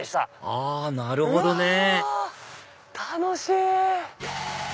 あなるほどね楽しい！